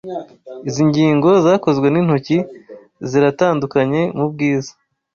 Izi ngingo zakozwe n'intoki ziratandukanye mubwiza.